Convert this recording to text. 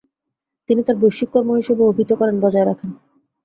তিনি তার বৈশ্বিক কর্ম হিসেবে অভিহিত করেন, বজায় রাখেন।